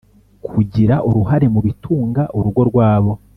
kugira uruhare mu bitunga urugo rwabo